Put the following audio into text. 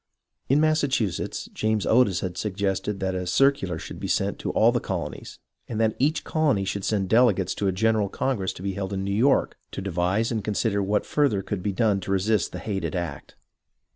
In Massachusetts, James Otis had suggested that a circular should be sent to all the colonies, and that each colony should send delegates to a general congress to be held in New York to devise and consider what further could be done to resist the hated act.